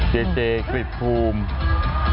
เจเจกรี๊ดภูมิ